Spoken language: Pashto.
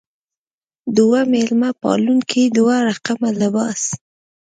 دوه مېلمه پالونکې دوه رقمه لباس.